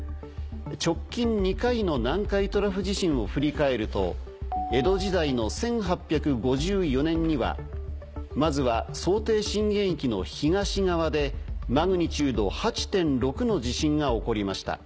直近２回の南海トラフ地震を振り返ると江戸時代の１８５４年にはまずは想定震源域の東側でマグニチュード８．６の地震が起こりました。